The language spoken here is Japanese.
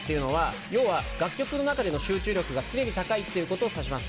要は楽曲の中での集中力が高いということを指します。